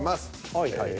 はいはい。